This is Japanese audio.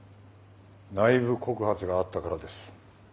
内部告発があったからです。